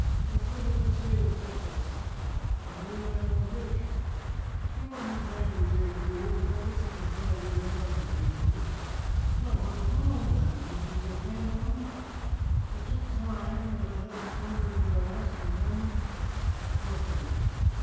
"As big as the State of Texas." "And the other man was rich?" "He wasn't exactly Jay Gould, but I guess he could buy these islands if he wanted." "Why, what was wrong, then? Couldn't you get hands on him?" "It took time, but I had him cornered at last; and then " "What then?"